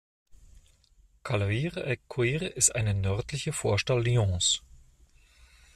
Caluire-et-Cuire ist eine nördliche Vorstadt Lyons.